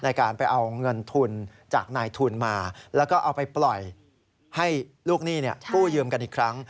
ในการไปเอาเงินทุนจากนายทุนมาแล้วก็เอาไปปล่อยให้ลูกหนี้กู้ยืมกันอีกครั้ง